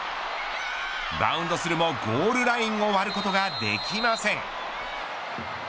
バウンドするもゴールラインを割ることができません。